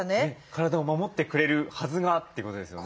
体を守ってくれるはずがってことですよね。